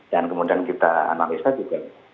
dan kemudian kita analisa juga